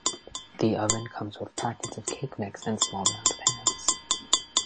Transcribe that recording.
The oven comes with packets of cake mix and small round pans.